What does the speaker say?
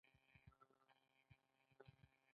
د ننګرهار په لعل پورې کې د ګچ نښې شته.